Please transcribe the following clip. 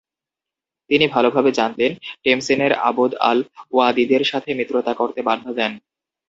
তিনি ভালভাবে জানতেন, টেমসেনের আবদ আল-ওয়াদিদের সাথে মিত্রতা করতে বাধা দেন।